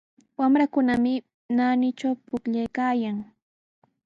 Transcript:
Wamrakunami naanitraw pukllaykaayan.